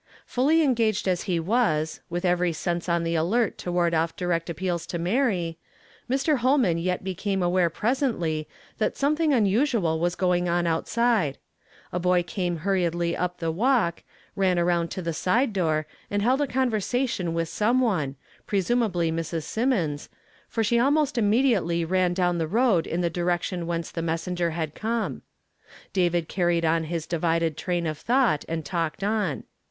Fully engaged as he was, with eveiy sense on the alert to ward off direct appeals to Mary, Mr. Ilolman yet became aware presently that some thing unusual was going on outside. A boy came hurriedly up the walk, ran around to the side door, and held a convei sation with some one, pre sumably INIrs. Symonds, for she almost immediately ran down tiie road in the direction whence the messenger had come. David carried on his divided train of thought, and talked on.